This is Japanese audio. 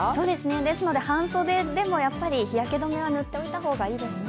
ですので、半袖でもやっぱり日焼け止めはぬっておいた方がいいですね。